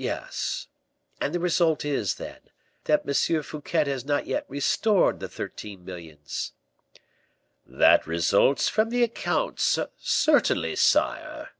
"Yes; and the result is, then, that M. Fouquet has not yet restored the thirteen millions." "That results from the accounts, certainly, sire."